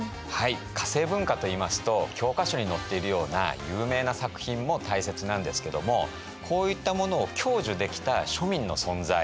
化政文化といいますと教科書に載っているような有名な作品も大切なんですけどもこういったものを享受できた庶民の存在。